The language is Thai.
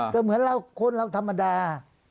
ก็เหมือนเราคนเราธรรมดา